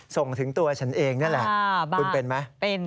ส่งถึงตัวฉันเองนี่แหละคุณเป็นไหม